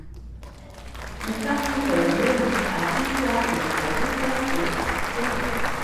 Il partit, dans le même but à Isla Margarita et à Trinidad.